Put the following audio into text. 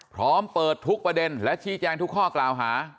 พร้อมเปิดทุกประเด็นและชี้แจงทุกข้อกล่าวหา